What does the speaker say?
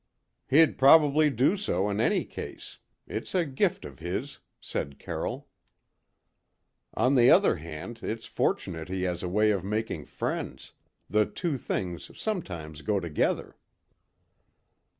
"He'd probably do so, in any case; it's a gift of his," said Carroll. "On the other hand, it's fortunate he has a way of making friends: the two things sometimes go together."